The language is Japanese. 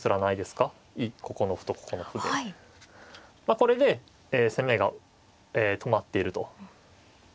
これで攻めが止まっていると。